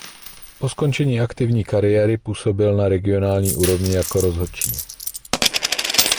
Po skončení aktivní kariéry působil na regionální úrovni jako rozhodčí.